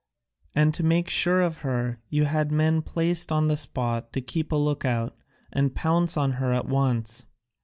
And to make sure of her you had men placed on the spot to keep a look out, and pounce on her at once.